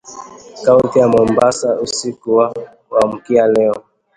Kaunti ya Mombasa usiku wa kuamkia leo